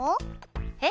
えっ？